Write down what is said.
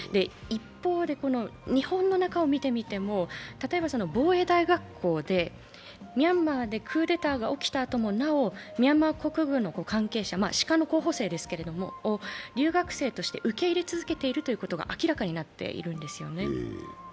一方で、日本の中を見てみても例えば防衛大学校でミャンマーでクーデターが起きたあともなおミャンマー国軍の関係者、士官候補生ですけれども、留学生として受け入れ続けているということが明らかになっているんですよね。